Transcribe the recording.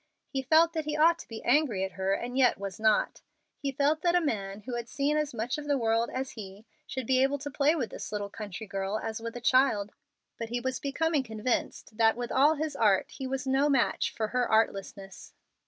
He felt that he ought to be angry at her and yet was not. He felt that a man who had seen as much of the world as he should be able to play with this little country girl as with a child; but he was becoming convinced that, with all his art, he was no match for her artlessness.